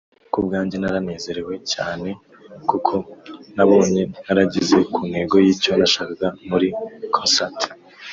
"Ku bwanjye naranezerewe cyaneee kuko nabonye narageze ku ntego y'icyo nashakaga muri concert